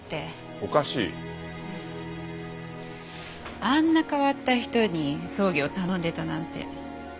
おかしい？あんな変わった人に葬儀を頼んでたなんて。